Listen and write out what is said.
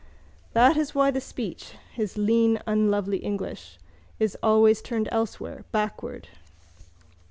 That is why the speech (his lean unlovely English) is always turned elsewhere, backward.